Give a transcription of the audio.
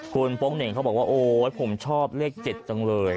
คุณโป๊งเหน่งเขาบอกว่าโอ๊ยผมชอบเลข๗จังเลย